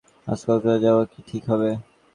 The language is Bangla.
আজ কক্সবাজার যাওয়া কি ঠিক হবে?